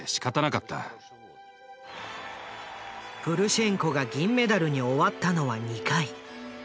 プルシェンコが銀メダルに終わったのは２回。